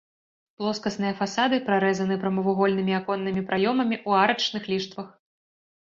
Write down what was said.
Плоскасныя фасады прарэзаны прамавугольнымі аконнымі праёмамі ў арачных ліштвах.